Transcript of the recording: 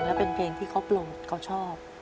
แล้วเป็นเพลงที่เขาโปรดเขาชอบ